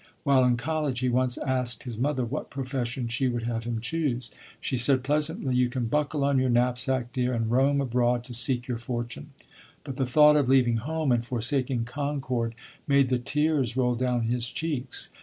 While in college he once asked his mother what profession she would have him choose. She said, pleasantly, "You can buckle on your knapsack, dear, and roam abroad to seek your fortune;" but the thought of leaving home and forsaking Concord made the tears roll down his cheeks.